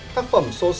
tác phẩm số sáu